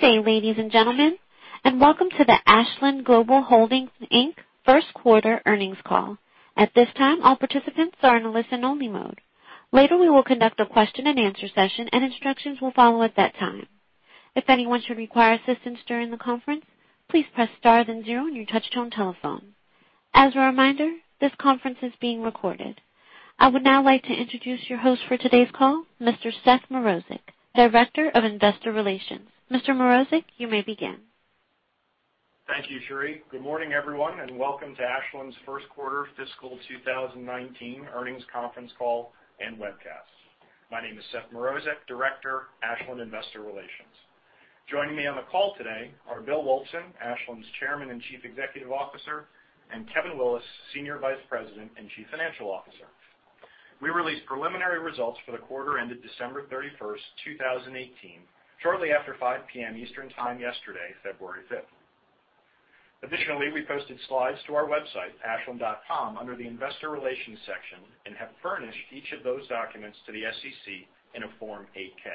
Good day, ladies and gentlemen, and welcome to the Ashland Global Holdings Inc. first quarter earnings call. At this time, all participants are in a listen-only mode. Later, we will conduct a Q&A session and instructions will follow at that time. If anyone should require assistance during the conference, please press star then zero on your touchtone telephone. As a reminder, this conference is being recorded. I would now like to introduce your host for today's call, Mr. Seth Mrozek, Director of Investor Relations. Mr. Mrozek, you may begin. Thank you, Sheree. Good morning, everyone, and welcome to Ashland's first quarter fiscal 2019 earnings conference call and webcast. My name is Seth Mrozek, Director, Ashland Investor Relations. Joining me on the call today are Bill Wulfsohn, Ashland's Chairman and Chief Executive Officer, and Kevin Willis, Senior Vice President and Chief Financial Officer. We released preliminary results for the quarter ended December 31st, 2018, shortly after 5:00 P.M. Eastern time yesterday, February 5th. Additionally, we posted slides to our website, ashland.com, under the investor relations section and have furnished each of those documents to the SEC in a Form 8-K.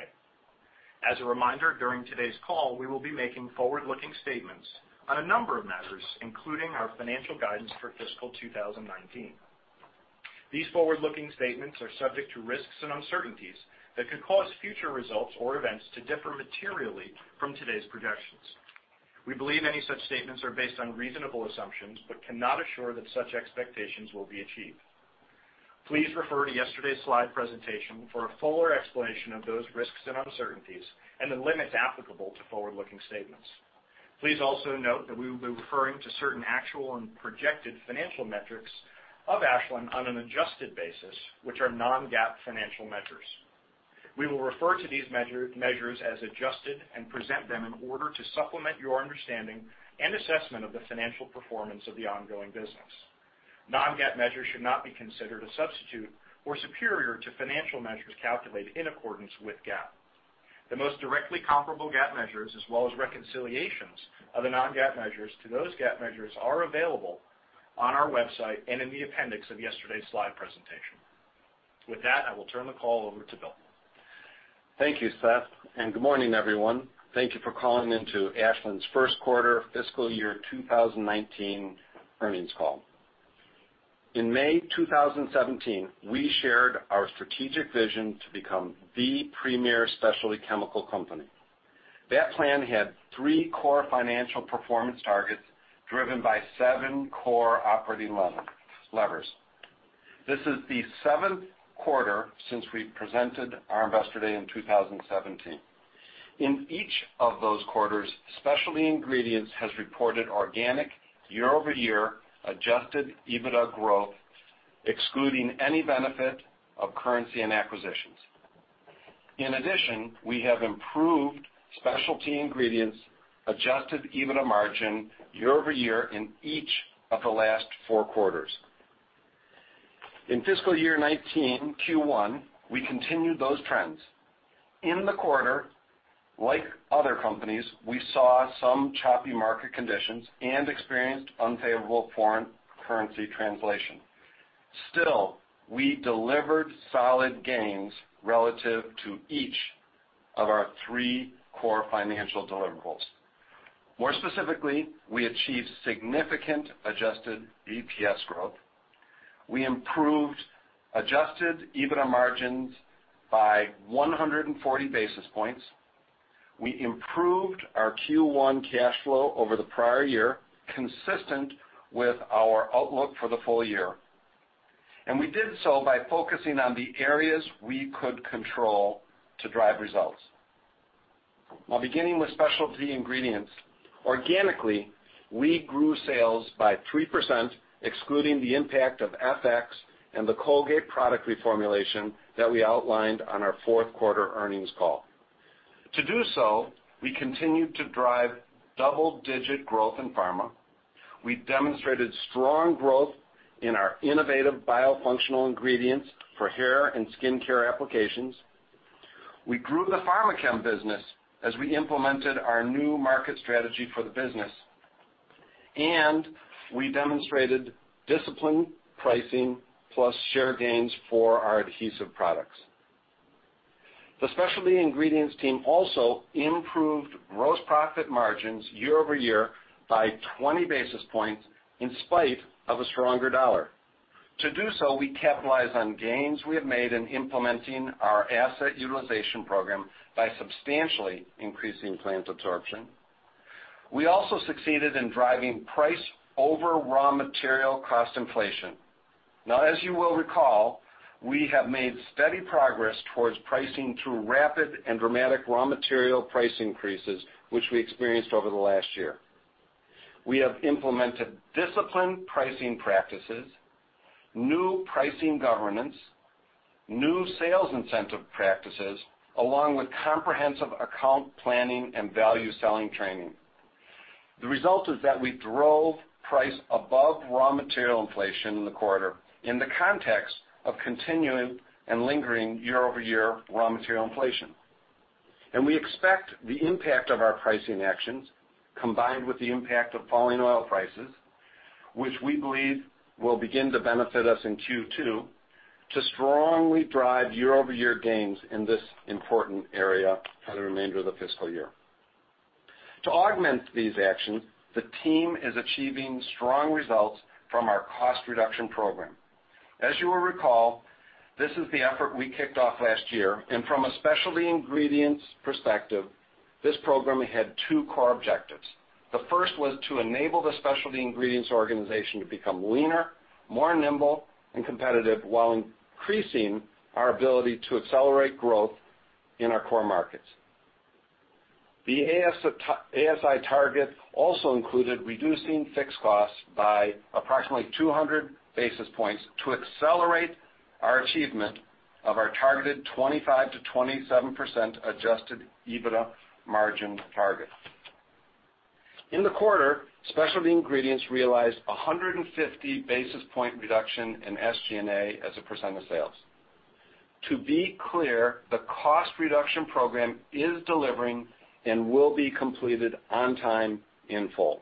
As a reminder, during today's call, we will be making forward-looking statements on a number of matters, including our financial guidance for fiscal 2019. These forward-looking statements are subject to risks and uncertainties that could cause future results or events to differ materially from today's projections. We believe any such statements are based on reasonable assumptions but cannot assure that such expectations will be achieved. Please refer to yesterday's slide presentation for a fuller explanation of those risks and uncertainties and the limits applicable to forward-looking statements. Please also note that we will be referring to certain actual and projected financial metrics of Ashland on an adjusted basis, which are non-GAAP financial measures. We will refer to these measures as adjusted and present them in order to supplement your understanding and assessment of the financial performance of the ongoing business. Non-GAAP measures should not be considered a substitute or superior to financial measures calculated in accordance with GAAP. The most directly comparable GAAP measures as well as reconciliations of the non-GAAP measures to those GAAP measures are available on our website and in the appendix of yesterday's slide presentation. With that, I will turn the call over to Bill. Thank you, Seth, and good morning, everyone. Thank you for calling in to Ashland's first quarter fiscal year 2019 earnings call. In May 2017, we shared our strategic vision to become the premier specialty chemical company. That plan had three core financial performance targets driven by seven core operating levers. This is the seventh quarter since we presented our Investor Day in 2017. In each of those quarters, Specialty Ingredients has reported organic year-over-year adjusted EBITDA growth, excluding any benefit of currency and acquisitions. In addition, we have improved Specialty Ingredients adjusted EBITDA margin year-over-year in each of the last four quarters. In fiscal year 2019 Q1, we continued those trends. In the quarter, like other companies, we saw some choppy market conditions and experienced unfavorable foreign currency translation. Still, we delivered solid gains relative to each of our three core financial deliverables. More specifically, we achieved significant adjusted EPS growth. We improved adjusted EBITDA margins by 140 basis points. We improved our Q1 cash flow over the prior year, consistent with our outlook for the full year. We did so by focusing on the areas we could control to drive results. Beginning with Specialty Ingredients, organically, we grew sales by 3%, excluding the impact of FX and the Colgate product reformulation that we outlined on our fourth quarter earnings call. To do so, we continued to drive double-digit growth in pharma. We demonstrated strong growth in our innovative biofunctional ingredients for hair and skincare applications. We grew the Pharmachem business as we implemented our new market strategy for the business, and we demonstrated disciplined pricing plus share gains for our adhesive products. The Specialty Ingredients team also improved gross profit margins year-over-year by 20 basis points in spite of a stronger dollar. To do so, we capitalized on gains we have made in implementing our asset utilization program by substantially increasing plant absorption. We also succeeded in driving price over raw material cost inflation. As you will recall, we have made steady progress towards pricing through rapid and dramatic raw material price increases, which we experienced over the last year. We have implemented disciplined pricing practices, new pricing governance, new sales incentive practices, along with comprehensive account planning and value selling training. The result is that we drove price above raw material inflation in the quarter in the context of continuing and lingering year-over-year raw material inflation. We expect the impact of our pricing actions, combined with the impact of falling oil prices, which we believe will begin to benefit us in Q2, to strongly drive year-over-year gains in this important area for the remainder of the fiscal year. To augment these actions, the team is achieving strong results from our cost reduction program. As you will recall, this is the effort we kicked off last year, and from a Specialty Ingredients perspective, this program had two core objectives. The first was to enable the Specialty Ingredients organization to become leaner, more nimble and competitive, while increasing our ability to accelerate growth in our core markets. The ASI target also included reducing fixed costs by approximately 200 basis points to accelerate our achievement of our targeted 25%-27% adjusted EBITDA margin target. In the quarter, Specialty Ingredients realized 150 basis point reduction in SG&A as a % of sales. To be clear, the cost reduction program is delivering and will be completed on time in full.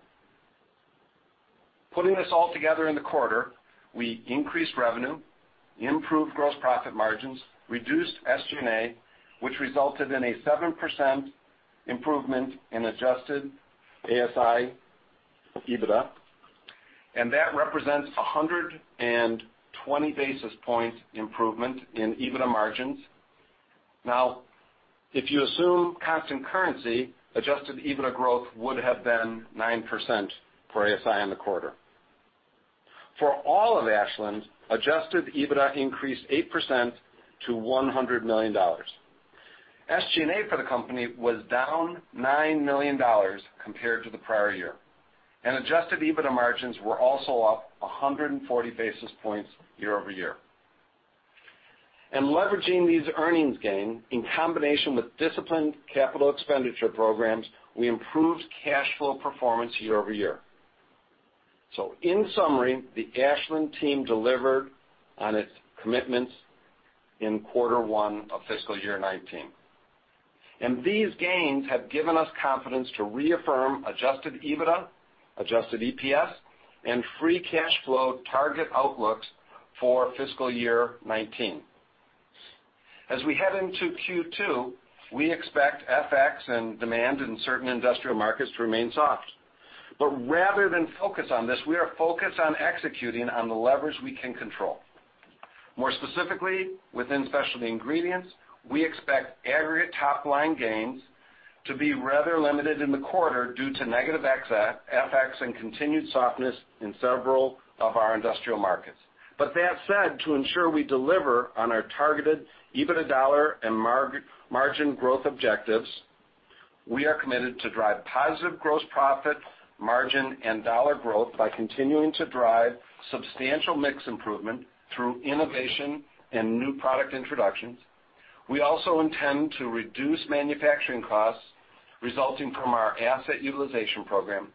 Putting this all together in the quarter, we increased revenue, improved gross profit margins, reduced SG&A, which resulted in a 7% improvement in adjusted ASI EBITDA, and that represents 120 basis points improvement in EBITDA margins. If you assume constant currency, adjusted EBITDA growth would have been 9% for ASI in the quarter. For all of Ashland, adjusted EBITDA increased 8% to $100 million. SG&A for the company was down $9 million compared to the prior year. Adjusted EBITDA margins were also up 140 basis points year-over-year. Leveraging these earnings gain, in combination with disciplined capital expenditure programs, we improved cash flow performance year-over-year. In summary, the Ashland team delivered on its commitments in Q1 of fiscal year 2019. These gains have given us confidence to reaffirm adjusted EBITDA, adjusted EPS, and free cash flow target outlooks for fiscal year 2019. As we head into Q2, we expect FX and demand in certain industrial markets to remain soft. Rather than focus on this, we are focused on executing on the levers we can control. More specifically, within Specialty Ingredients, we expect aggregate top-line gains to be rather limited in the quarter due to negative FX and continued softness in several of our industrial markets. That said, to ensure we deliver on our targeted EBITDA dollar and margin growth objectives, we are committed to drive positive gross profit, margin, and dollar growth by continuing to drive substantial mix improvement through innovation and new product introductions. We also intend to reduce manufacturing costs resulting from our asset utilization program,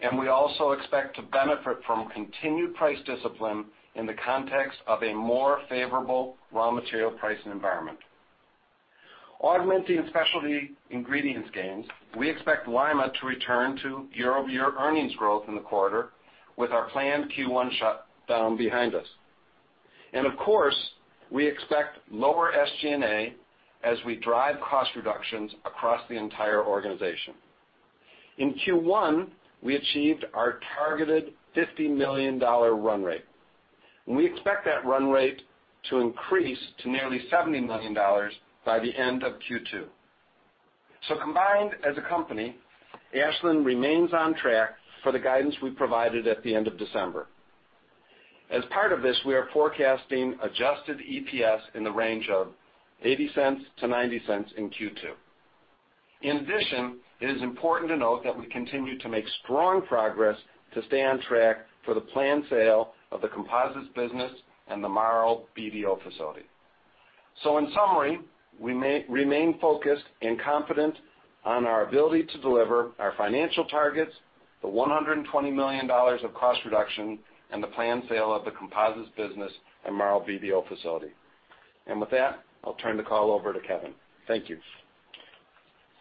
and we also expect to benefit from continued price discipline in the context of a more favorable raw material pricing environment. Augmenting Specialty Ingredients gains, we expect Lima to return to year-over-year earnings growth in the quarter with our planned Q1 shutdown behind us. Of course, we expect lower SG&A as we drive cost reductions across the entire organization. In Q1, we achieved our targeted $50 million run rate. We expect that run rate to increase to nearly $70 million by the end of Q2. Combined as a company, Ashland remains on track for the guidance we provided at the end of December. As part of this, we are forecasting adjusted EPS in the range of $0.80-$0.90 in Q2. In addition, it is important to note that we continue to make strong progress to stay on track for the planned sale of the composites business and the Marl BDO facility. In summary, we remain focused and confident on our ability to deliver our financial targets, the $120 million of cost reduction, and the planned sale of the composites business and Marl BDO facility. With that, I'll turn the call over to Kevin. Thank you.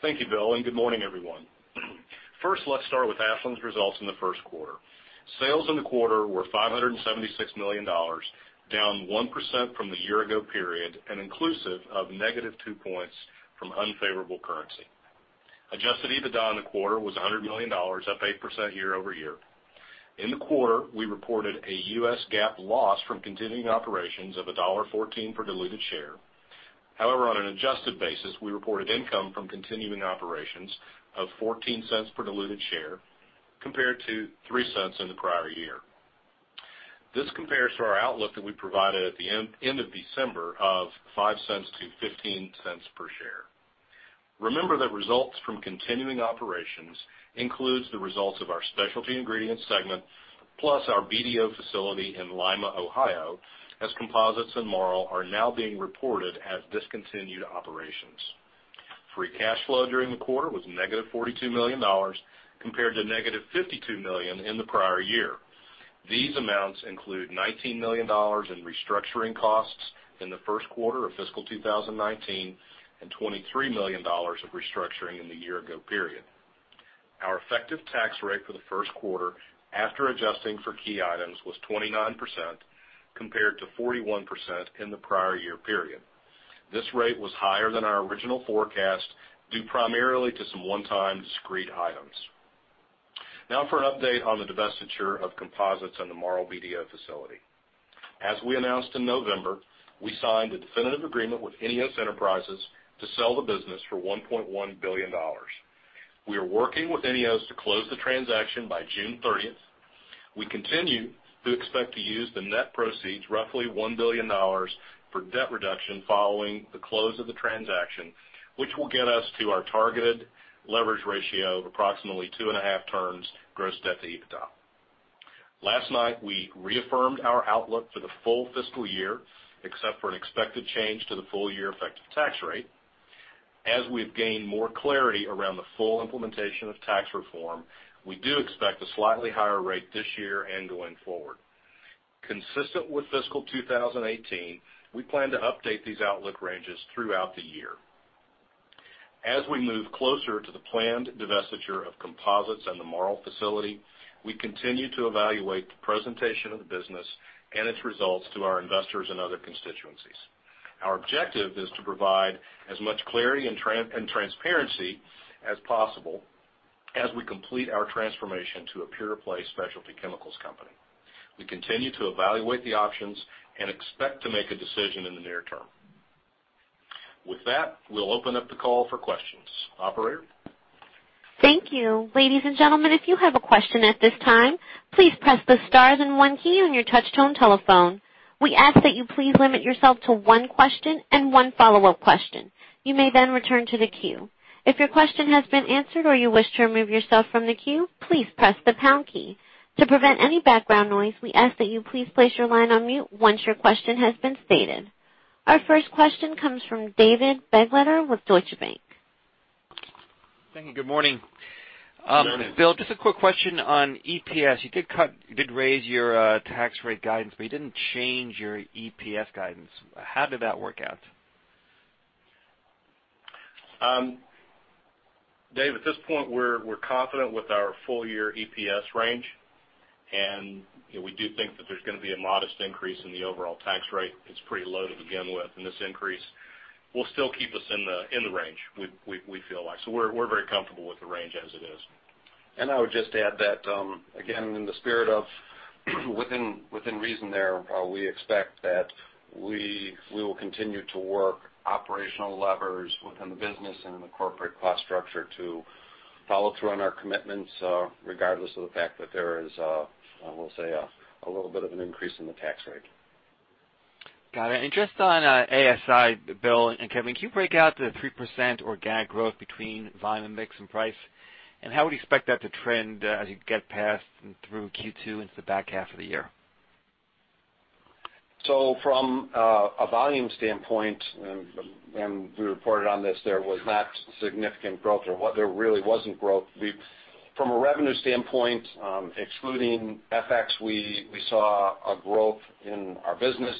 Thank you, Bill, and good morning, everyone. First, let's start with Ashland's results in the first quarter. Sales in the quarter were $576 million, down 1% from the year ago period, and inclusive of -2 points from unfavorable currency. Adjusted EBITDA in the quarter was $100 million, up 8% year-over-year. In the quarter, we reported a U.S. GAAP loss from continuing operations of $1.14 per diluted share. However, on an adjusted basis, we reported income from continuing operations of $0.14 per diluted share, compared to $0.03 in the prior year. This compares to our outlook that we provided at the end of December of $0.05-$0.15 per share. Remember that results from continuing operations includes the results of our Specialty Ingredients Segment, plus our BDO facility in Lima, Ohio, as Composites in Marl are now being reported as discontinued operations. Free cash flow during the quarter was -$42 million, compared to -$52 million in the prior year. These amounts include $19 million in restructuring costs in the first quarter of FY 2019, and $23 million of restructuring in the year-ago period. Our effective tax rate for the first quarter, after adjusting for key items, was 29%, compared to 41% in the prior year period. This rate was higher than our original forecast, due primarily to some one-time discrete items. Now for an update on the divestiture of Composites and the Marl BDO facility. As we announced in November, we signed a definitive agreement with INEOS Enterprises to sell the business for $1.1 billion. We are working with INEOS to close the transaction by June 30th. We continue to expect to use the net proceeds, roughly $1 billion, for debt reduction following the close of the transaction, which will get us to our targeted leverage ratio of approximately 2.5 turns gross debt to EBITDA. Last night, we reaffirmed our outlook for the full fiscal year, except for an expected change to the full year effective tax rate. As we've gained more clarity around the full implementation of tax reform, we do expect a slightly higher rate this year and going forward. Consistent with FY 2018, we plan to update these outlook ranges throughout the year. As we move closer to the planned divestiture of Composites and the Marl facility, we continue to evaluate the presentation of the business and its results to our investors and other constituencies. Our objective is to provide as much clarity and transparency as possible as we complete our transformation to a pure play specialty chemicals company. We continue to evaluate the options and expect to make a decision in the near term. With that, we'll open up the call for questions. Operator? Thank you. Ladies and gentlemen, if you have a question at this time, please press the star and one key on your touch tone telephone. We ask that you please limit yourself to one question and one follow-up question. You may return to the queue. If your question has been answered or you wish to remove yourself from the queue, please press the pound key. To prevent any background noise, we ask that you please place your line on mute once your question has been stated. Our first question comes from David Begleiter with Deutsche Bank. Thank you. Good morning. Good morning. Bill, just a quick question on EPS. You did raise your tax rate guidance, but you didn't change your EPS guidance. How did that work out? Dave, at this point, we're confident with our full year EPS range, and we do think that there's going to be a modest increase in the overall tax rate. It's pretty low to begin with, and this increase will still keep us in the range, we feel like. We're very comfortable with the range as it is. I would just add that, again, in the spirit of within reason there, we expect that we will continue to work operational levers within the business and in the corporate cost structure to follow through on our commitments, regardless of the fact that there is, we'll say, a little bit of an increase in the tax rate. Got it. Just on ASI, Bill and Kevin, can you break out the 3% organic growth between volume, mix, and price? How would you expect that to trend as you get past and through Q2 into the back half of the year? From a volume standpoint, and we reported on this, there was not significant growth, or there really wasn't growth. From a revenue standpoint, excluding FX, we saw a growth in our business,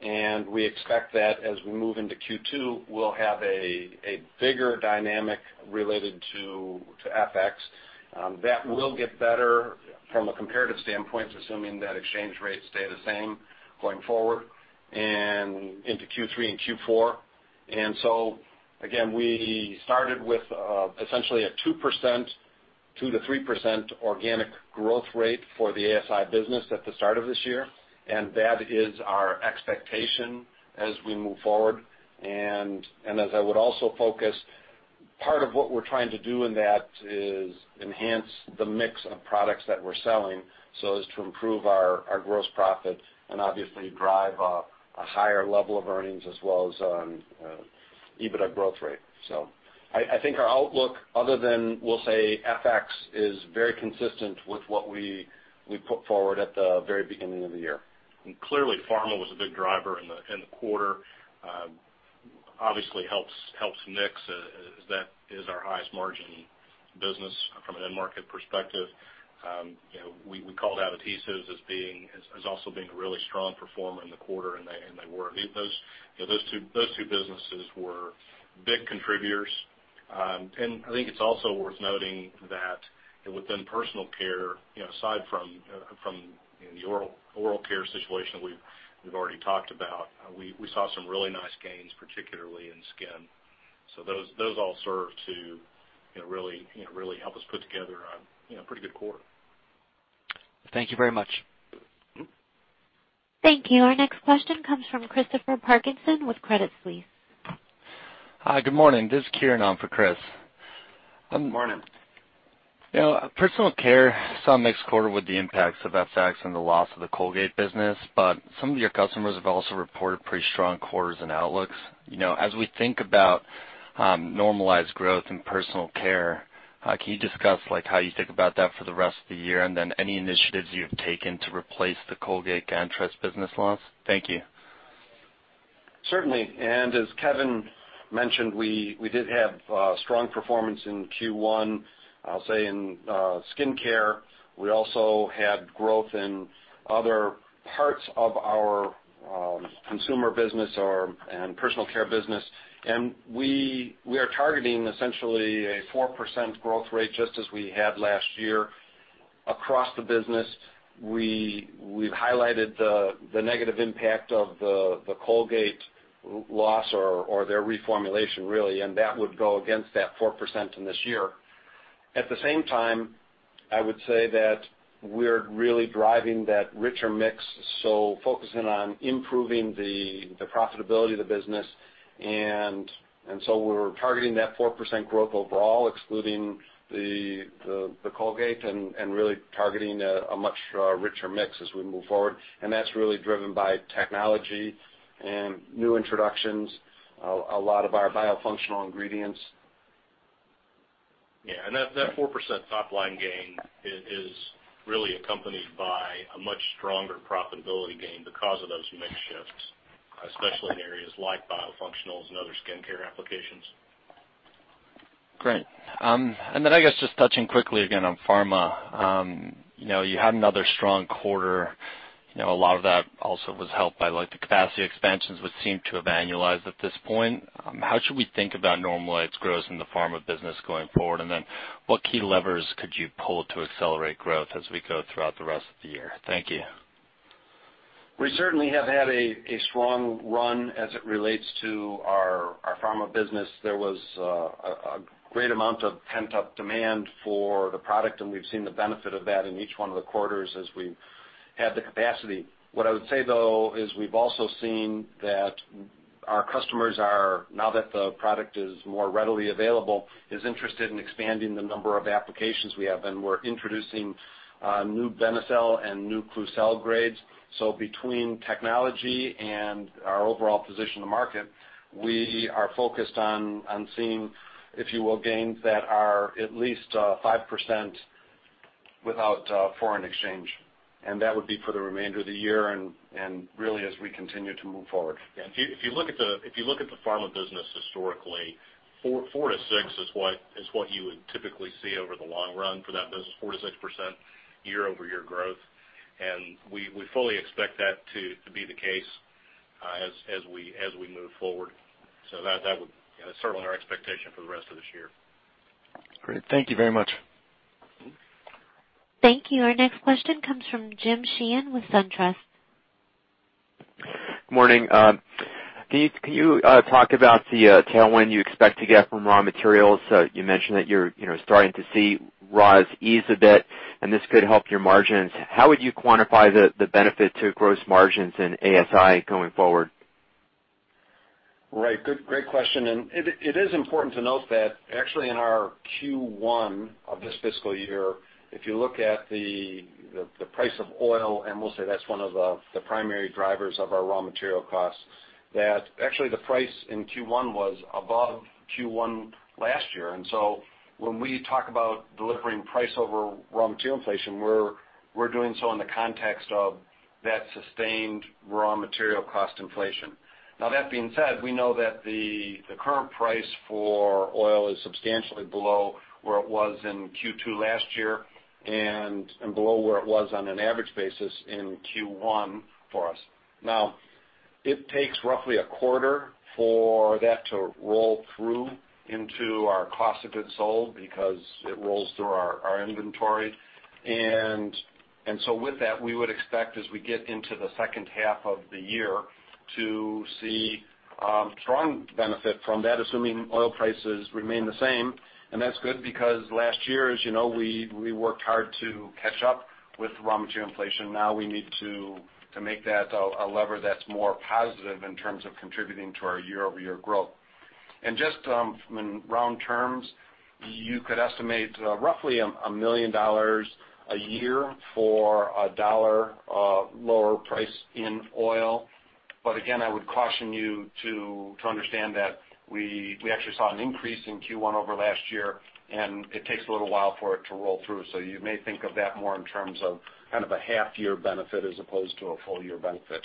and we expect that as we move into Q2, we'll have a bigger dynamic related to FX. That will get better from a comparative standpoint, assuming that exchange rates stay the same going forward and into Q3 and Q4. Again, we started with essentially a 2%-3% organic growth rate for the ASI business at the start of this year. That is our expectation as we move forward. As I would also focus, part of what we're trying to do in that is enhance the mix of products that we're selling so as to improve our gross profit and obviously drive a higher level of earnings as well as on EBITDA growth rate. I think our outlook other than, we'll say, FX, is very consistent with what we put forward at the very beginning of the year. Clearly, pharma was a big driver in the quarter. Obviously helps mix, as that is our highest margin business from an end market perspective. We called out adhesives as also being a really strong performer in the quarter, and they were. Those two businesses were big contributors. I think it's also worth noting that within personal care, aside from the oral care situation we've already talked about, we saw some really nice gains, particularly in skin. Those all serve to really help us put together a pretty good quarter. Thank you very much. Thank you. Our next question comes from Christopher Parkinson with Credit Suisse. Hi. Good morning. This is Kieran on for Chris. Morning. Personal care saw a mixed quarter with the impacts of FX and the loss of the Colgate-Palmolive business. Some of your customers have also reported pretty strong quarters and outlooks. As we think about normalized growth in personal care, can you discuss how you think about that for the rest of the year? Any initiatives you've taken to replace the Colgate business loss? Thank you. Certainly. As Kevin mentioned, we did have strong performance in Q1. I'll say in skincare, we also had growth in other parts of our consumer business and personal care business. We are targeting essentially a 4% growth rate, just as we had last year across the business. We've highlighted the negative impact of the Colgate loss or their reformulation, really, that would go against that 4% in this year. At the same time, I would say that we're really driving that richer mix, so focusing on improving the profitability of the business. So we're targeting that 4% growth overall, excluding the Colgate-Palmolive, and really targeting a much richer mix as we move forward. That's really driven by technology and new introductions, a lot of our biofunctional ingredients. Yeah. That 4% top-line gain is really accompanied by a much stronger profitability gain because of those mix shifts, especially in areas like biofunctionals and other skincare applications. Great. I guess, just touching quickly again on pharma. You had another strong quarter. A lot of that also was helped by the capacity expansions, which seem to have annualized at this point. How should we think about normalized growth in the pharma business going forward? What key levers could you pull to accelerate growth as we go throughout the rest of the year? Thank you. We certainly have had a strong run as it relates to our pharma business. There was a great amount of pent-up demand for the product, and we've seen the benefit of that in each one of the quarters as we've had the capacity. What I would say, though, is we've also seen that our customers are, now that the product is more readily available, is interested in expanding the number of applications we have, and we're introducing new Benecel and new Klucel grades. Between technology and our overall position in the market, we are focused on seeing, if you will, gains that are at least 5% without foreign exchange. That would be for the remainder of the year and really as we continue to move forward. If you look at the pharma business historically, 4%-6% is what you would typically see over the long run for that business, 4%-6% year-over-year growth. We fully expect that to be the case as we move forward. That would certainly our expectation for the rest of this year. Great. Thank you very much. Thank you. Our next question comes from James Sheehan with SunTrust. Good morning. Can you talk about the tailwind you expect to get from raw materials? You mentioned that you're starting to see raw ease a bit, this could help your margins. How would you quantify the benefit to gross margins in ASI going forward? Right. Good. Great question. It is important to note that actually in our Q1 of this fiscal year, if you look at the price of oil, and we'll say that's one of the primary drivers of our raw material costs, that actually the price in Q1 was above Q1 last year. So when we talk about delivering price over raw material inflation, we're doing so in the context of that sustained raw material cost inflation. That being said, we know that the current price for oil is substantially below where it was in Q2 last year and below where it was on an average basis in Q1 for us. It takes roughly a quarter for that to roll through into our cost of goods sold because it rolls through our inventory. With that, we would expect as we get into the second half of the year to see strong benefit from that, assuming oil prices remain the same. That's good because last year, as you know, we worked hard to catch up with raw material inflation. We need to make that a lever that's more positive in terms of contributing to our year-over-year growth. Just in round terms, you could estimate roughly $1 million a year for a dollar lower price in oil. Again, I would caution you to understand that we actually saw an increase in Q1 over last year, and it takes a little while for it to roll through. You may think of that more in terms of kind of a half-year benefit as opposed to a full-year benefit.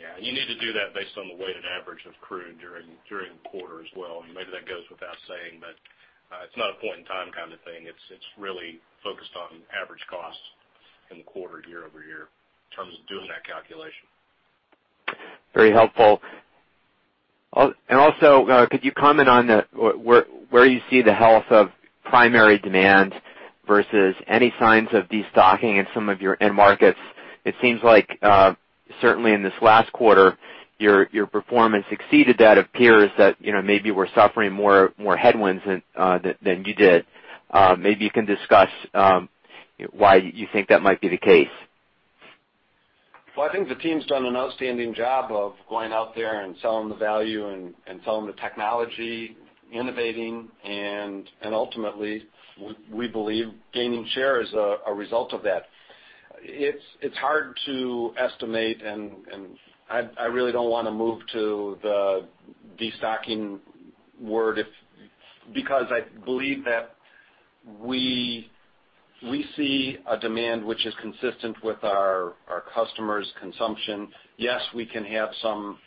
Yeah. You need to do that based on the weighted average of crude during the quarter as well. Maybe that goes without saying, but it's not a point-in-time kind of thing. It's really focused on average costs in the quarter year-over-year in terms of doing that calculation. Very helpful. Also, could you comment on where you see the health of primary demand versus any signs of destocking in some of your end markets? It seems like, certainly in this last quarter, your performance exceeded that. It appears that maybe we're suffering more headwinds than you did. Maybe you can discuss why you think that might be the case. Well, I think the team's done an outstanding job of going out there and selling the value and selling the technology, innovating, and ultimately, we believe gaining share is a result of that. It's hard to estimate, and I really don't want to move to the destocking word, because I believe that. We see a demand which is consistent with our customers' consumption. Yes, we can have some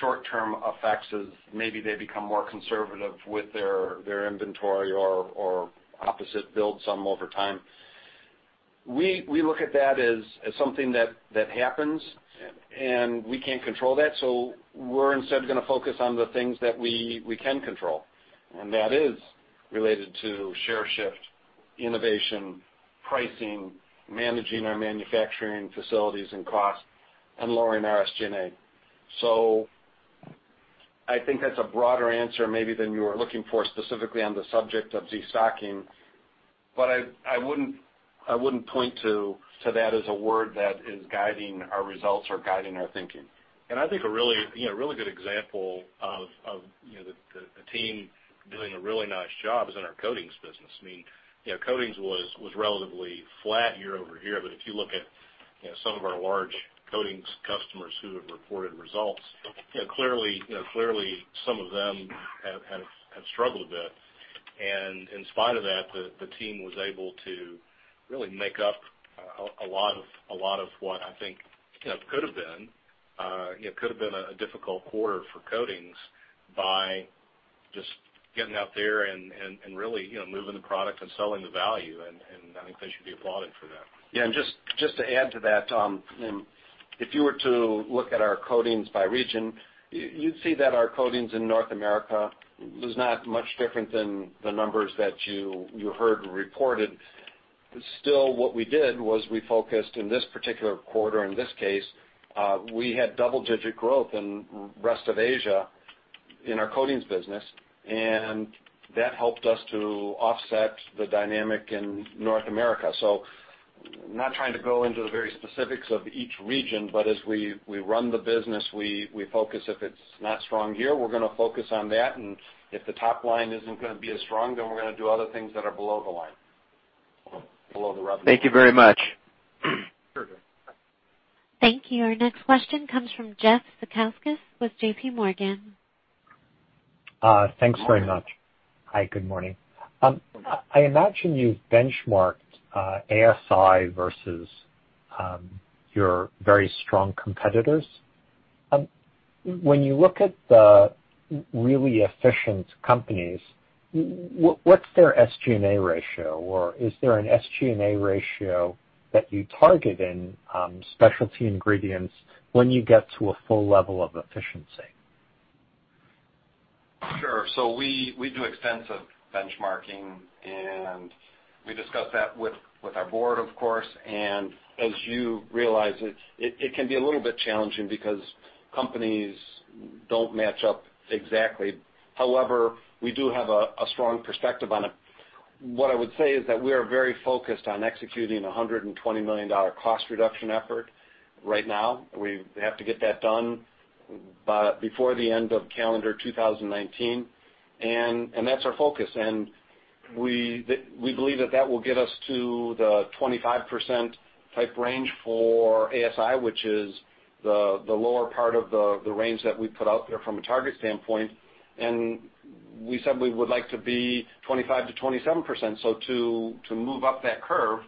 short-term effects as maybe they become more conservative with their inventory or opposite, build some over time. We look at that as something that happens, and we can't control that, so we're instead going to focus on the things that we can control. That is related to share shift, innovation, pricing, managing our manufacturing facilities and costs, and lowering our SG&A. I think that's a broader answer maybe than you were looking for specifically on the subject of destocking, I wouldn't point to that as a word that is guiding our results or guiding our thinking. I think a really good example of the team doing a really nice job is in our coatings business. Coatings was relatively flat year-over-year. If you look at some of our large coatings customers who have reported results, clearly some of them have struggled a bit. In spite of that, the team was able to really make up a lot of what I think could have been a difficult quarter for coatings by just getting out there and really moving the product and selling the value, and I think they should be applauded for that. Just to add to that, if you were to look at our coatings by region, you'd see that our coatings in North America was not much different than the numbers that you heard reported. Still, what we did was we focused in this particular quarter. In this case, we had double-digit growth in rest of Asia in our coatings business, and that helped us to offset the dynamic in North America. Not trying to go into the very specifics of each region, but as we run the business, we focus, if it's not strong here, we're going to focus on that, and if the top line isn't going to be as strong, then we're going to do other things that are below the line or below the revenue. Thank you very much. Sure, Jeff. Thank you. Our next question comes from Jeff Zekauskas with JPMorgan. Thanks very much. Hi, good morning. I imagine you've benchmarked ASI versus your very strong competitors. When you look at the really efficient companies, what's their SG&A ratio, or is there an SG&A ratio that you target in Specialty Ingredients when you get to a full level of efficiency? Sure. We do extensive benchmarking, and we discuss that with our board, of course. As you realize, it can be a little bit challenging because companies don't match up exactly. However, we do have a strong perspective on it. What I would say is that we are very focused on executing a $120 million cost reduction effort right now. We have to get that done before the end of calendar 2019, and that's our focus. We believe that that will get us to the 25% type range for ASI, which is the lower part of the range that we put out there from a target standpoint, and we said we would like to be 25%-27%. To move up that curve,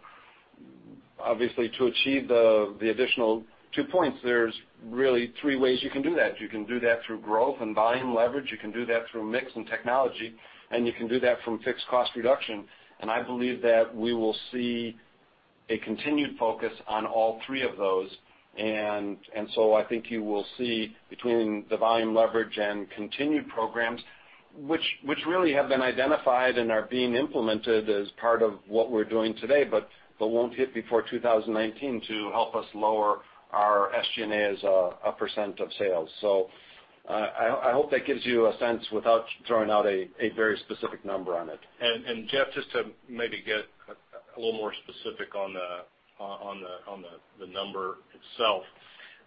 obviously, to achieve the additional two points, there's really three ways you can do that. You can do that through growth and volume leverage, you can do that through mix and technology, and you can do that from fixed cost reduction. I believe that we will see a continued focus on all three of those. I think you will see between the volume leverage and continued programs, which really have been identified and are being implemented as part of what we're doing today, but won't hit before 2019 to help us lower our SG&A as a percent of sales. I hope that gives you a sense without throwing out a very specific number on it. Jeff, just to maybe get a little more specific on the number itself.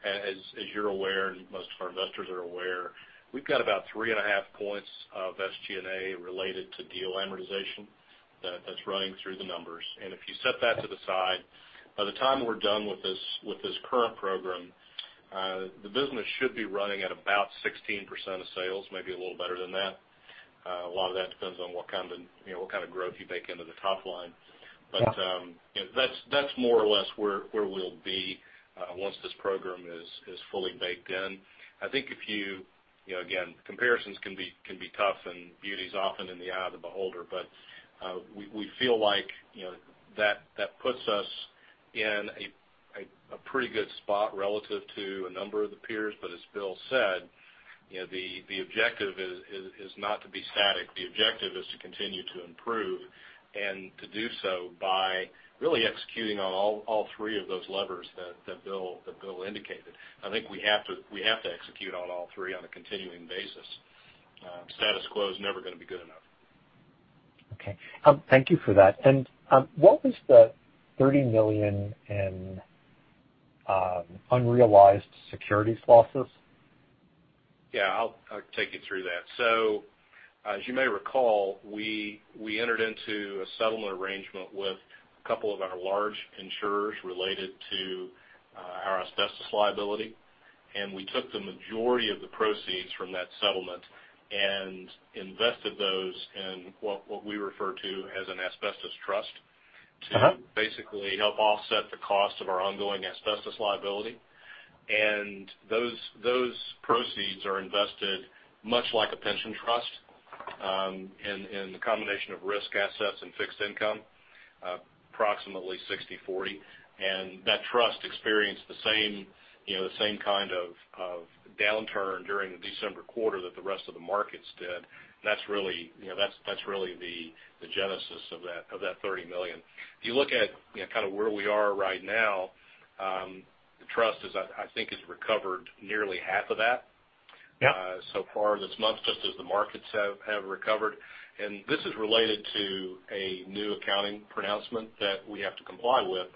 As you're aware, and most of our investors are aware, we've got about 3.5 points of SG&A related to deal amortization that's running through the numbers. If you set that to the side, by the time we're done with this current program, the business should be running at about 16% of sales, maybe a little better than that. A lot of that depends on what kind of growth you bake into the top line. Yeah. That's more or less where we'll be once this program is fully baked in. I think, again, comparisons can be tough, and beauty is often in the eye of the beholder, but we feel like that puts us in a pretty good spot relative to a number of the peers. As Bill said, the objective is not to be static. The objective is to continue to improve and to do so by really executing on all three of those levers that Bill indicated. I think we have to execute on all three on a continuing basis. Status quo is never going to be good enough. Okay. Thank you for that. What was the $30 million in unrealized securities losses? Yeah. I'll take you through that. As you may recall, we entered into a settlement arrangement with a couple of our large insurers related to our asbestos liability. We took the majority of the proceeds from that settlement and invested those in what we refer to as an asbestos trust. To basically help offset the cost of our ongoing asbestos liability. Those proceeds are invested much like a pension trust in the combination of risk assets and fixed income, approximately 60/40. That trust experienced the same kind of downturn during the December quarter that the rest of the markets did. That's really the genesis of that $30 million. If you look at where we are right now, the trust, I think, has recovered nearly half of that. Yeah So far this month, just as the markets have recovered. This is related to a new accounting pronouncement that we have to comply with,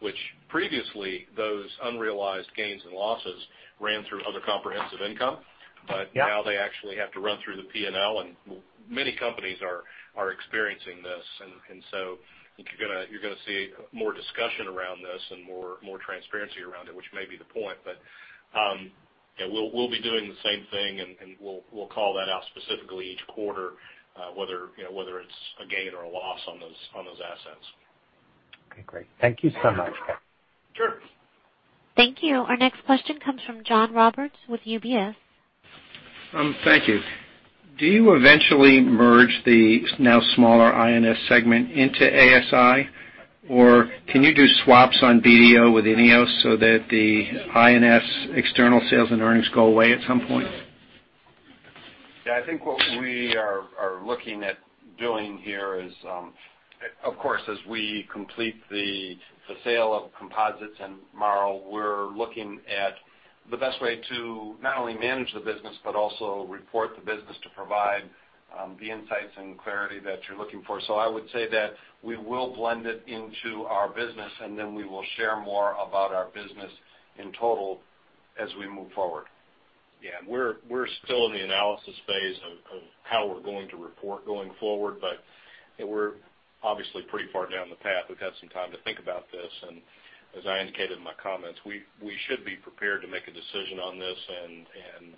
which previously those unrealized gains and losses ran through other comprehensive income. Yeah. Now they actually have to run through the P&L, and many companies are experiencing this. I think you're going to see more discussion around this and more transparency around it, which may be the point. We'll be doing the same thing, and we'll call that out specifically each quarter, whether it's a gain or a loss on those assets. Okay, great. Thank you so much. Sure. Thank you. Our next question comes from John Roberts with UBS. Thank you. Do you eventually merge the now smaller I&S segment into ASI? Can you do swaps on BDO with INEOS so that the I&S external sales and earnings go away at some point? Yeah, I think what we are looking at doing here is, of course, as we complete the sale of Composites and Marl, we're looking at the best way to not only manage the business but also report the business to provide the insights and clarity that you're looking for. I would say that we will blend it into our business, and then we will share more about our business in total as we move forward. Yeah. We're still in the analysis phase of how we're going to report going forward, but we're obviously pretty far down the path. We've had some time to think about this, and as I indicated in my comments, we should be prepared to make a decision on this and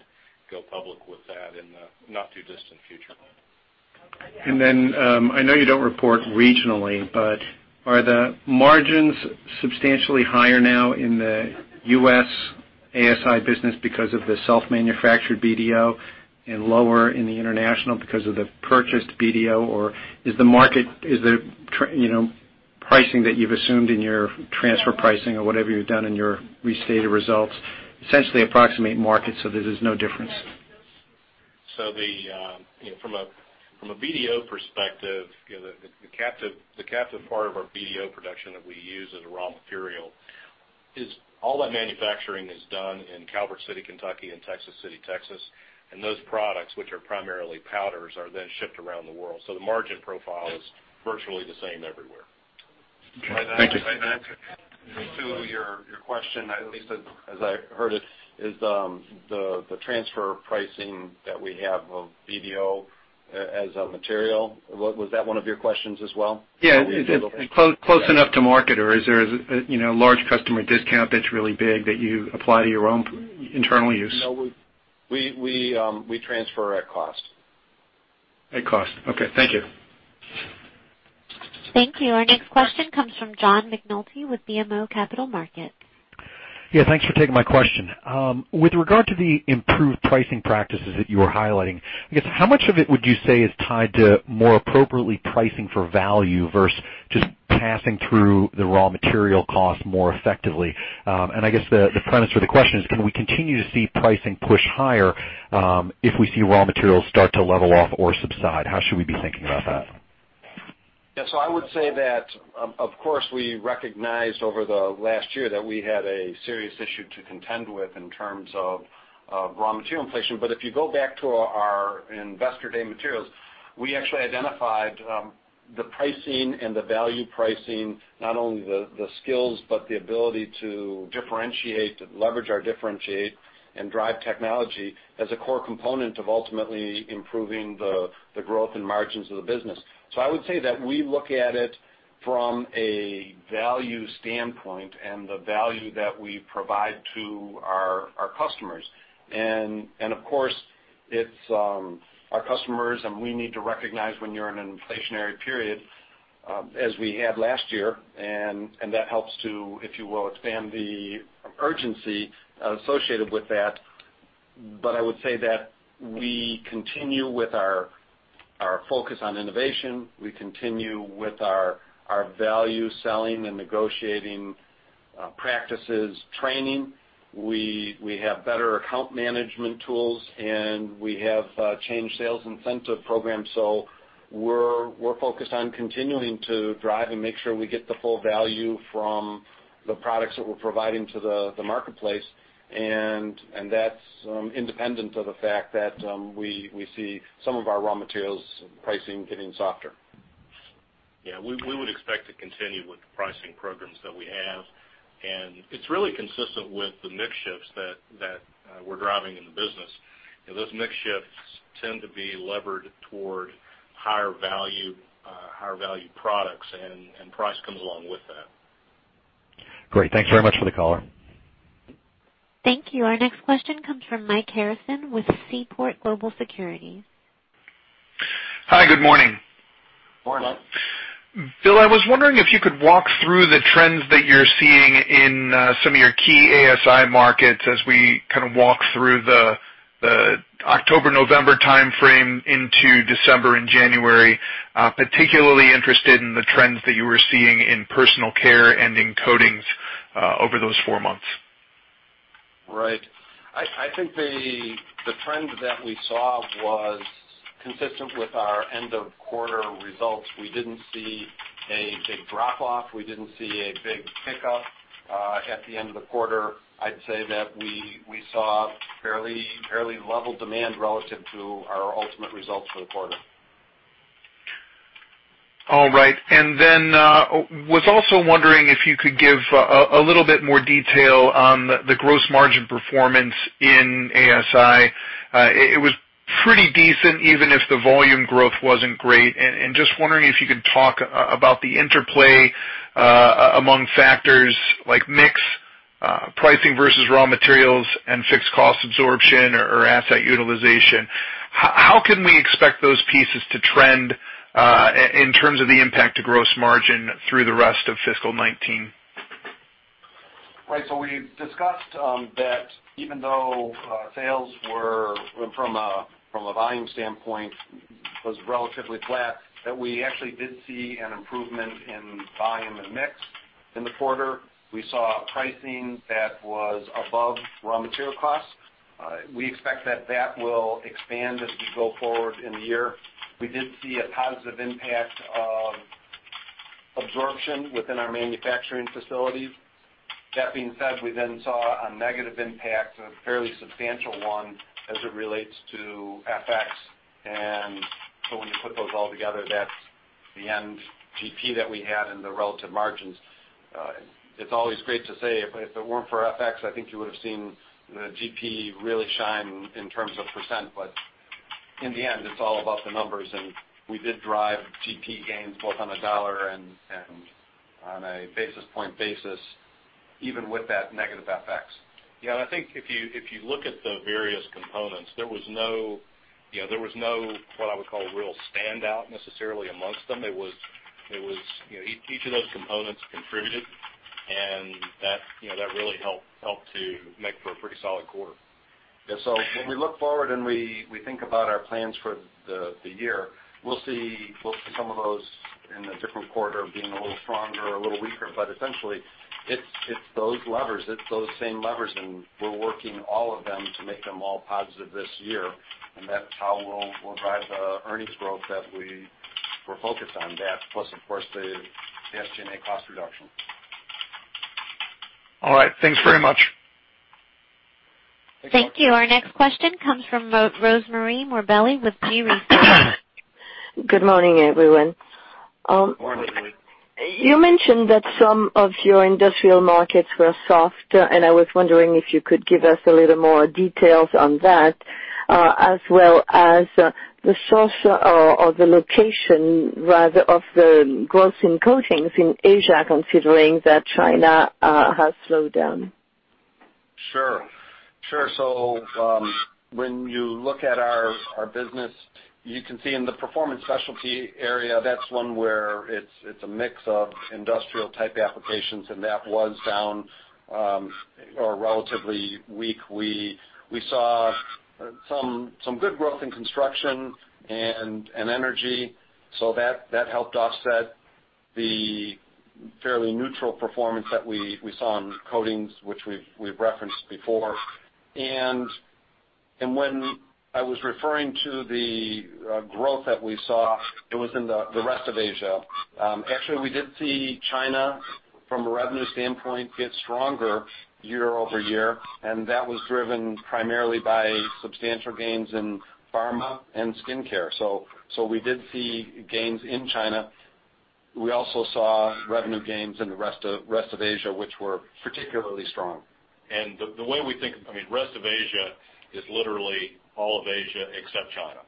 go public with that in the not-too-distant future. I know you don't report regionally, but are the margins substantially higher now in the U.S. ASI business because of the self-manufactured BDO and lower in the international because of the purchased BDO? Or is the pricing that you've assumed in your transfer pricing or whatever you've done in your restated results essentially approximate market, there is no difference? From a BDO perspective, the captive part of our BDO production that we use as a raw material is all that manufacturing is done in Calvert City, Kentucky, and Texas City, Texas. Those products, which are primarily powders, are then shipped around the world. The margin profile is virtually the same everywhere. Thank you. To your question, at least as I heard it, is the transfer pricing that we have of BDO as a material. Was that one of your questions as well? Yeah. Is it close enough to market, or is there a large customer discount that's really big that you apply to your own internal use? No. We transfer at cost. At cost. Okay. Thank you. Thank you. Our next question comes from John McNulty with BMO Capital Markets. Thanks for taking my question. With regard to the improved pricing practices that you are highlighting, I guess how much of it would you say is tied to more appropriately pricing for value versus just passing through the raw material cost more effectively? I guess the premise for the question is, can we continue to see pricing push higher if we see raw materials start to level off or subside? How should we be thinking about that? I would say that, of course, we recognized over the last year that we had a serious issue to contend with in terms of raw material inflation. If you go back to our investor day materials, we actually identified the pricing and the value pricing, not only the skills but the ability to differentiate, to leverage our differentiate and drive technology as a core component of ultimately improving the growth and margins of the business. I would say that we look at it from a value standpoint and the value that we provide to our customers. Of course, our customers and we need to recognize when you're in an inflationary period, as we had last year, and that helps to, if you will, expand the urgency associated with that. I would say that we continue with our focus on innovation. We continue with our value selling and negotiating practices training. We have better account management tools, we have changed sales incentive programs. We're focused on continuing to drive and make sure we get the full value from the products that we're providing to the marketplace, that's independent of the fact that we see some of our raw materials pricing getting softer. We would expect to continue with the pricing programs that we have, it's really consistent with the mix shifts that we're driving in the business. Those mix shifts tend to be levered toward higher value products. Price comes along with that. Great. Thanks very much for the color. Thank you. Our next question comes from Mike Harrison with Seaport Global Securities. Hi. Good morning. Morning. Bill, I was wondering if you could walk through the trends that you're seeing in some of your key ASI markets as we kind of walk through the October-November timeframe into December and January. Particularly interested in the trends that you were seeing in personal care and in coatings over those four months. Right. I think the trend that we saw was consistent with our end of quarter results. We didn't see a big drop off. We didn't see a big pickup. At the end of the quarter, I'd say that we saw fairly level demand relative to our ultimate results for the quarter. All right. Was also wondering if you could give a little bit more detail on the gross margin performance in ASI. It was pretty decent, even if the volume growth wasn't great. Just wondering if you could talk about the interplay among factors like mix, pricing versus raw materials, and fixed cost absorption or asset utilization. How can we expect those pieces to trend, in terms of the impact to gross margin through the rest of fiscal 2019? Right. We discussed that even though sales were, from a volume standpoint, was relatively flat, that we actually did see an improvement in volume and mix in the quarter. We saw pricing that was above raw material costs. We expect that that will expand as we go forward in the year. We did see a positive impact of absorption within our manufacturing facilities. That being said, we then saw a negative impact, a fairly substantial one, as it relates to FX. When you put those all together, that's the end GP that we had and the relative margins. It's always great to say, if it weren't for FX, I think you would've seen the GP really shine in terms of %, in the end, it's all about the numbers. We did drive GP gains both on a $ and on a basis point basis, even with that negative FX. I think if you look at the various components, there was no what I would call real standout necessarily amongst them. Each of those components contributed, and that really helped to make for a pretty solid quarter. When we look forward and we think about our plans for the year, we'll see some of those in a different quarter being a little stronger or a little weaker. Essentially, it's those levers, it's those same levers, and we're working all of them to make them all positive this year. That's how we'll drive the earnings growth that we're focused on that, plus of course, the SG&A cost reduction. All right. Thanks very much. Thank you. Our next question comes from Rosemarie Morbelli with Gabelli. Good morning, everyone. Morning. You mentioned that some of your industrial markets were soft, I was wondering if you could give us a little more details on that, as well as the source or the location rather of the growth in coatings in Asia, considering that China has slowed down. Sure. When you look at our business, you can see in the performance specialty area, that's one where it's a mix of industrial type applications, and that was down or relatively weak. We saw some good growth in construction and energy. That helped offset the fairly neutral performance that we saw in coatings, which we've referenced before. When I was referring to the growth that we saw, it was in the rest of Asia. Actually, we did see China, from a revenue standpoint, get stronger year-over-year, and that was driven primarily by substantial gains in pharma and skincare. We did see gains in China. We also saw revenue gains in the rest of Asia, which were particularly strong. The way we think, rest of Asia is literally all of Asia except China.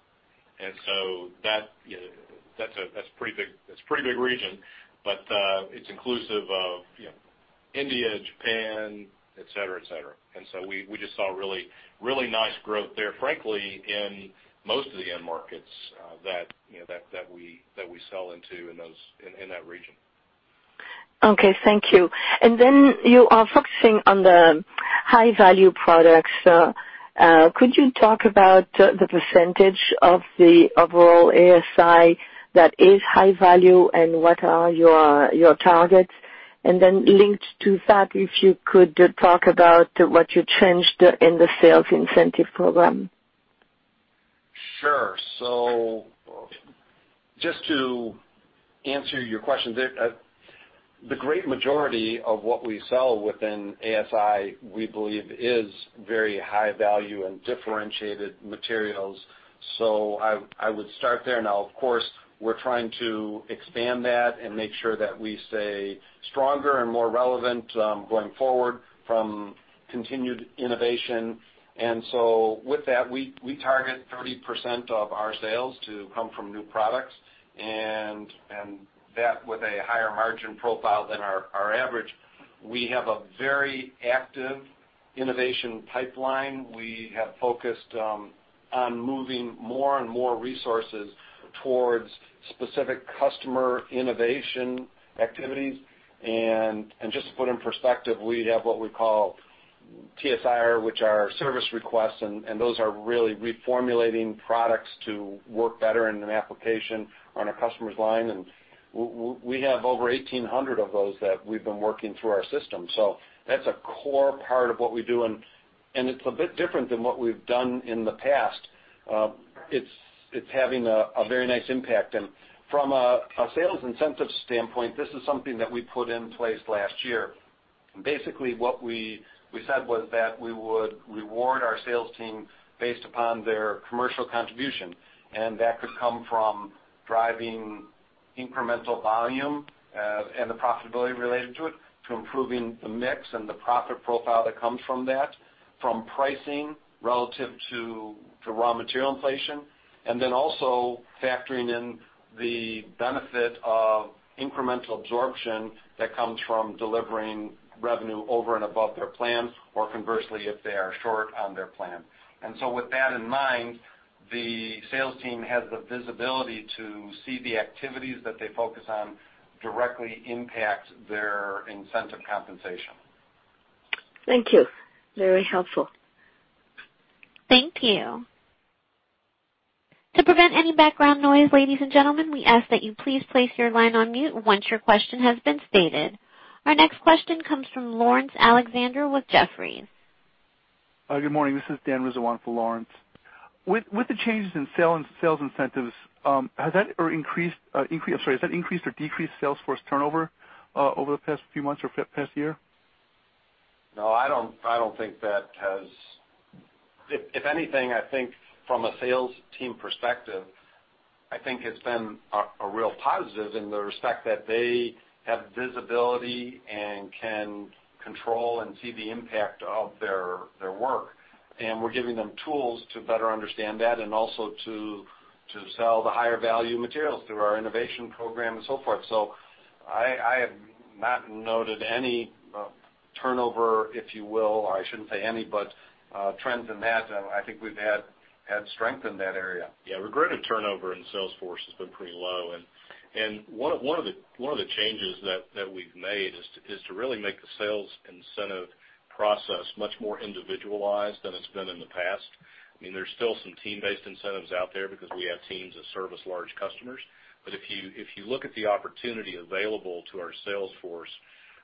That's a pretty big region, but it's inclusive of India, Japan, et cetera. We just saw really nice growth there, frankly, in most of the end markets that we sell into in that region. Okay. Thank you. You are focusing on the high value products. Could you talk about the percentage of the overall ASI that is high value and what are your targets? Linked to that, if you could talk about what you changed in the sales incentive program. Sure. Just to answer your question there, the great majority of what we sell within ASI, we believe is very high value and differentiated materials. So I would start there. Now, of course, we're trying to expand that and make sure that we stay stronger and more relevant going forward from continued innovation. With that, we target 30% of our sales to come from new products, and that with a higher margin profile than our average. We have a very active innovation pipeline. We have focused on moving more and more resources towards specific customer innovation activities. Just to put in perspective, we have what we call TSR, which are service requests, and those are really reformulating products to work better in an application on a customer's line. We have over 1,800 of those that we've been working through our system. That's a core part of what we do, and it's a bit different than what we've done in the past. It's having a very nice impact. From a sales incentive standpoint, this is something that we put in place last year. Basically, what we said was that we would reward our sales team based upon their commercial contribution. That could come from driving incremental volume and the profitability related to it, to improving the mix and the profit profile that comes from that, from pricing relative to raw material inflation, then also factoring in the benefit of incremental absorption that comes from delivering revenue over and above their plan, or conversely, if they are short on their plan. With that in mind, the sales team has the visibility to see the activities that they focus on directly impact their incentive compensation. Thank you. Very helpful. Thank you. To prevent any background noise, ladies and gentlemen, we ask that you please place your line on mute once your question has been stated. Our next question comes from Laurence Alexander with Jefferies. Good morning. This is Dan Drizin for Laurence. With the changes in sales incentives, has that increased or decreased sales force turnover over the past few months or past year? No, I don't think that has. If anything, I think from a sales team perspective, I think it's been a real positive in the respect that they have visibility and can control and see the impact of their work. We're giving them tools to better understand that and also to sell the higher value materials through our innovation program and so forth. I have not noted any turnover, if you will. I shouldn't say any, but trends in that. I think we've had strength in that area. Yeah. Regretted turnover in sales force has been pretty low. One of the changes that we've made is to really make the sales incentive process much more individualized than it's been in the past. There's still some team-based incentives out there because we have teams that service large customers. If you look at the opportunity available to our sales force,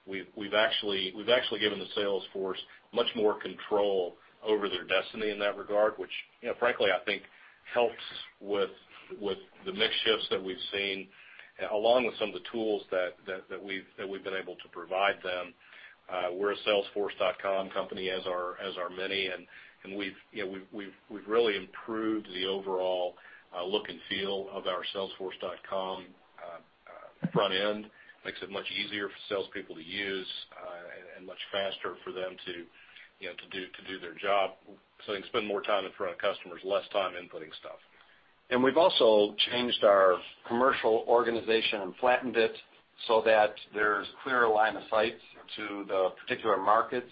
we've actually given the sales force much more control over their destiny in that regard, which frankly, I think helps with the mix shifts that we've seen, along with some of the tools that we've been able to provide them. We're a salesforce.com company as are many, and we've really improved the overall look and feel of our salesforce.com front end. Makes it much easier for salespeople to use and much faster for them to do their job, so they can spend more time in front of customers, less time inputting stuff. We've also changed our commercial organization and flattened it so that there's clearer line of sight to the particular markets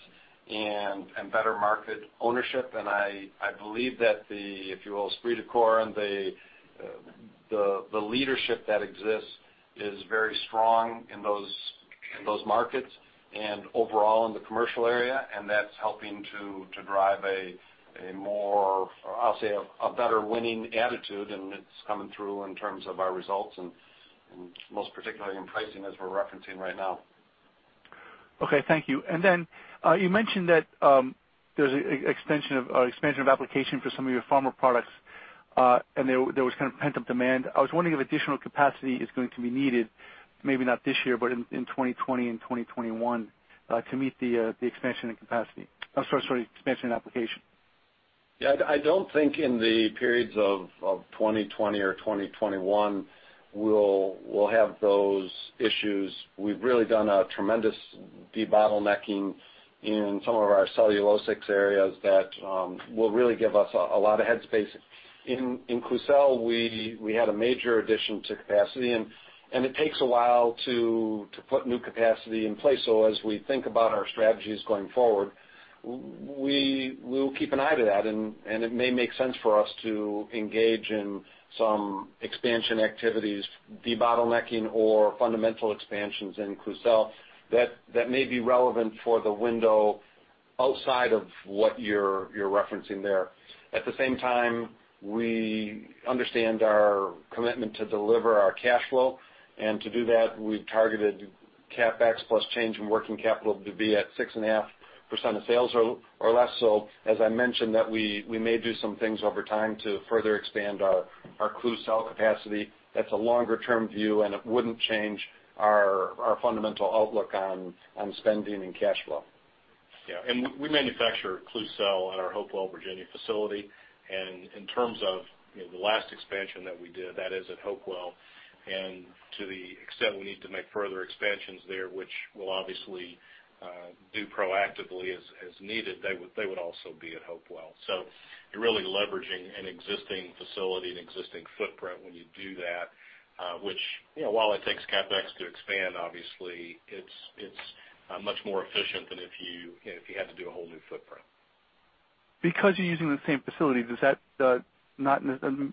and better market ownership. I believe that the, if you will, esprit de corps and the leadership that exists is very strong in those markets and overall in the commercial area, and that's helping to drive a more, I'll say, a better winning attitude, and it's coming through in terms of our results and most particularly in pricing as we're referencing right now. Okay. Thank you. You mentioned that there's an expansion of application for some of your pharma products, and there was kind of pent-up demand. I was wondering if additional capacity is going to be needed, maybe not this year, but in 2020 and 2021 to meet the expansion in capacity. Sorry, expansion in application. Yeah. I don't think in the periods of 2020 or 2021, we'll have those issues. We've really done a tremendous debottlenecking in some of our cellulosics areas that will really give us a lot of head space. In Klucel, we had a major addition to capacity. It takes a while to put new capacity in place. As we think about our strategies going forward, we will keep an eye to that, and it may make sense for us to engage in some expansion activities, debottlenecking or fundamental expansions in Klucel that may be relevant for the window outside of what you're referencing there. At the same time, we understand our commitment to deliver our cash flow. To do that, we've targeted CapEx plus change in working capital to be at 6.5% of sales or less. As I mentioned that we may do some things over time to further expand our Klucel capacity. That's a longer-term view. It wouldn't change our fundamental outlook on spending and cash flow. Yeah. We manufacture Klucel at our Hopewell, Virginia facility. In terms of the last expansion that we did, that is at Hopewell. To the extent we need to make further expansions there, which we'll obviously do proactively as needed, they would also be at Hopewell. You're really leveraging an existing facility, an existing footprint when you do that, which while it takes CapEx to expand, obviously, it's much more efficient than if you had to do a whole new footprint. Because you're using the same facility, does that not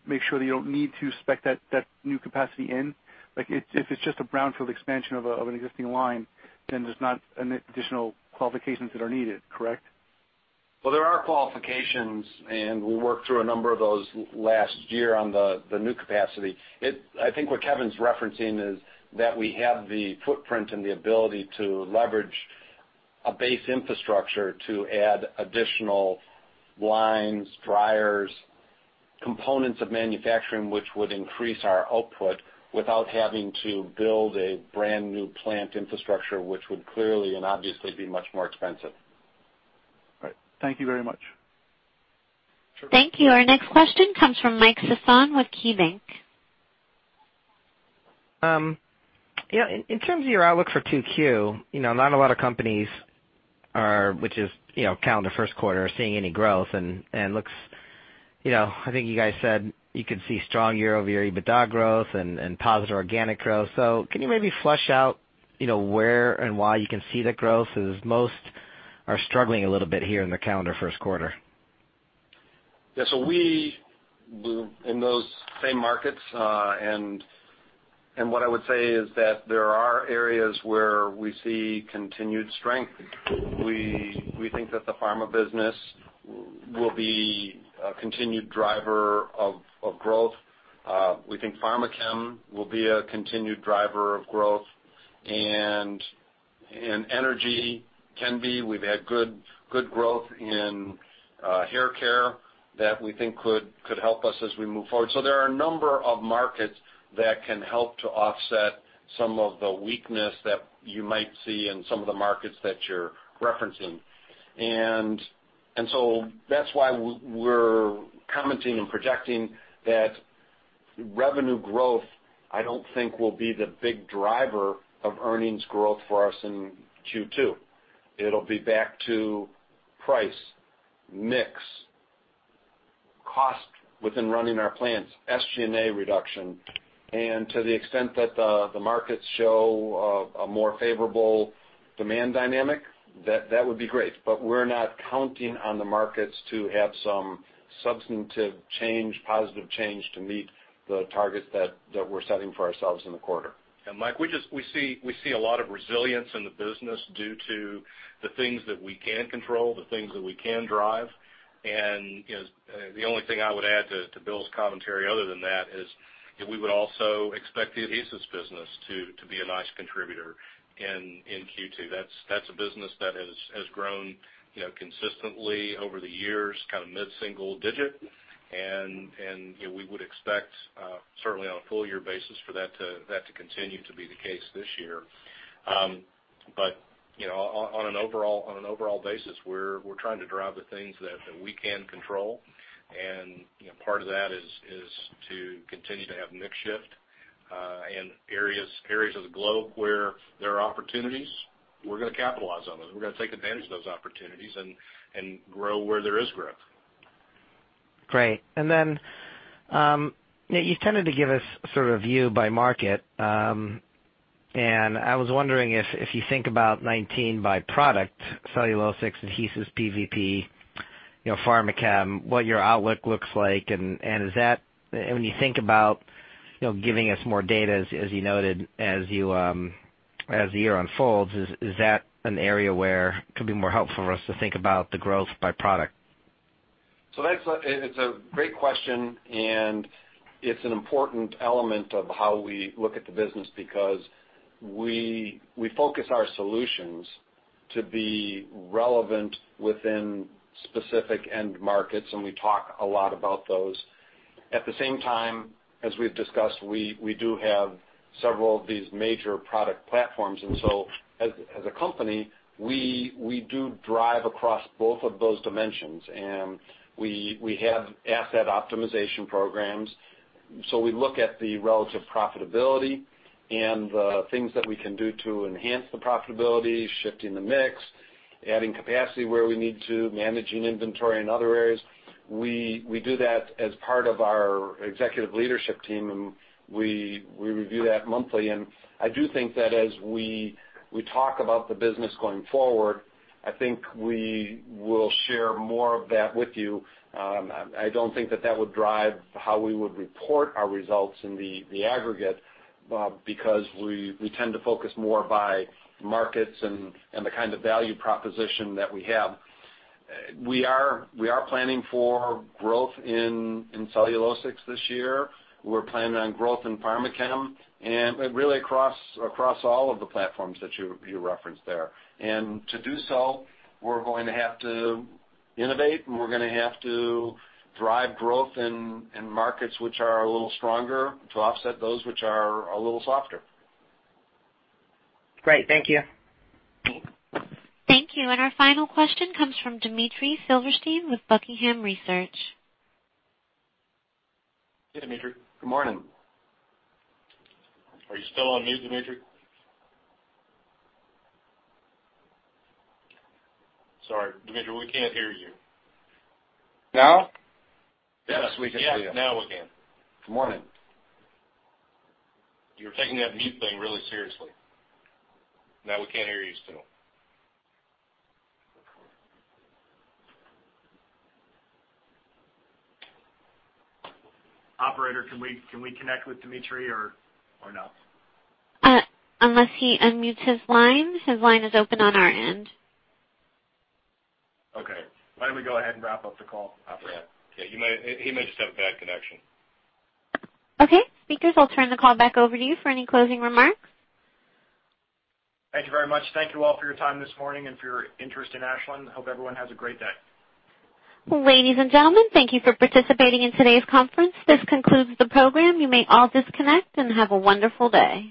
make sure that you don't need to spec that new capacity in? If it's just a brownfield expansion of an existing line, then there's not additional qualifications that are needed, correct? Well, there are qualifications, and we worked through a number of those last year on the new capacity. I think what Kevin's referencing is that we have the footprint and the ability to leverage a base infrastructure to add additional lines, dryers, components of manufacturing, which would increase our output without having to build a brand new plant infrastructure, which would clearly and obviously be much more expensive. Right. Thank you very much. Sure. Thank you. Our next question comes from Mike Sison with KeyBanc. In terms of your outlook for 2Q, not a lot of companies are, which is calendar first quarter, are seeing any growth and looks I think you guys said you could see strong year-over-year EBITDA growth and positive organic growth. Can you maybe flesh out where and why you can see the growth, as most are struggling a little bit here in the calendar first quarter? Yeah. We move in those same markets. What I would say is that there are areas where we see continued strength. We think that the pharma business will be a continued driver of growth. We think Pharmachem will be a continued driver of growth, and energy can be. We've had good growth in hair care that we think could help us as we move forward. There are a number of markets that can help to offset some of the weakness that you might see in some of the markets that you're referencing. That's why we're commenting and projecting that revenue growth, I don't think will be the big driver of earnings growth for us in Q2. It'll be back to price, mix, cost within running our plants, SG&A reduction. To the extent that the markets show a more favorable demand dynamic, that would be great. We're not counting on the markets to have some substantive change, positive change to meet the targets that we're setting for ourselves in the quarter. Mike, we see a lot of resilience in the business due to the things that we can control, the things that we can drive. The only thing I would add to Bill's commentary other than that is, we would also expect the adhesives business to be a nice contributor in Q2. That's a business that has grown consistently over the years, kind of mid-single digit. We would expect, certainly on a full year basis, for that to continue to be the case this year. On an overall basis, we're trying to drive the things that we can control, and part of that is to continue to have mix shift. Areas of the globe where there are opportunities, we're going to capitalize on those. We're going to take advantage of those opportunities and grow where there is growth. Great. Then, you tended to give us sort of a view by market. I was wondering if you think about 2019 by product, cellulosics, adhesives, PVP, Pharmachem, what your outlook looks like. When you think about giving us more data, as you noted, as the year unfolds, is that an area where it could be more helpful for us to think about the growth by product? It's a great question, and it's an important element of how we look at the business because we focus our solutions to be relevant within specific end markets, and we talk a lot about those. At the same time, as we've discussed, we do have several of these major product platforms. As a company, we do drive across both of those dimensions. We have asset optimization programs. We look at the relative profitability and the things that we can do to enhance the profitability, shifting the mix, adding capacity where we need to, managing inventory in other areas. We do that as part of our executive leadership team, and we review that monthly. I do think that as we talk about the business going forward, I think we will share more of that with you. I don't think that that would drive how we would report our results in the aggregate, because we tend to focus more by markets and the kind of value proposition that we have. We are planning for growth in cellulosics this year. We're planning on growth in Pharmachem and really across all of the platforms that you referenced there. To do so, we're going to have to innovate, and we're going to have to drive growth in markets which are a little stronger to offset those which are a little softer. Great. Thank you. Thank you. Our final question comes from Dmitry Silversteyn with Buckingham Research. Hey, Dmitry. Good morning. Are you still on mute, Dmitry? Sorry, Dmitry, we can't hear you. Now? Yes. Yes, we can hear you. Yeah, now we can. Good morning. You're taking that mute thing really seriously. Now we can't hear you still. Operator, can we connect with Dmitry or no? Unless he unmutes his line. His line is open on our end. Okay. Why don't we go ahead and wrap up the call, operator? Yeah. He may just have a bad connection. Okay, speakers, I'll turn the call back over to you for any closing remarks. Thank you very much. Thank you all for your time this morning and for your interest in Ashland. Hope everyone has a great day. Ladies and gentlemen, thank you for participating in today's conference. This concludes the program. You may all disconnect and have a wonderful day.